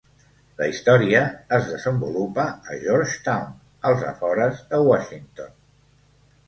La història es desenvolupa a Georgetown als afores de Washington.